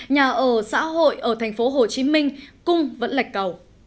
nhà ở xã hội ở thành phố hồ chí minh cung vẫn lạch cầu